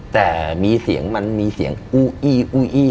แต่มีเสียงมันมีเสียงอู้อี้อู้อี้